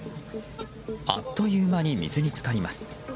あっという間に水に浸かります。